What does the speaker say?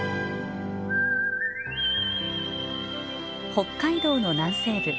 北海道の南西部。